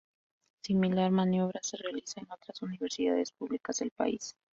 Similar maniobra se realiza en otras universidades públicas del país.